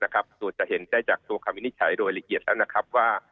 ส่วนจะเห็นได้จากตัวคำวินิจฉัยโดยละเอียดแล้วนะครับว่า